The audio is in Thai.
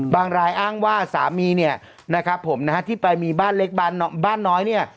รายอ้างว่าสามีเนี่ยนะครับผมนะฮะที่ไปมีบ้านเล็กบ้านน้อยเนี่ย